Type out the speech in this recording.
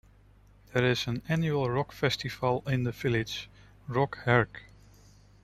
There is an annual rock festival in the village, Rock Herk.